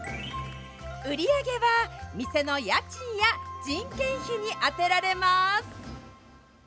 売り上げは店の家賃や人件費に充てられます。